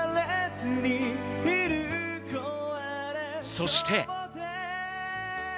そして。